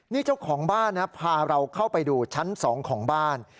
นี่เจ้าของบ้านนะพาเราเข้าไปดูชั้น๒ของบ้าน